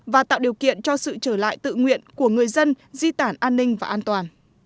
và tạo điều kiện cho sự trở lại tự nguyện của người dân di tản an ninh và an toàn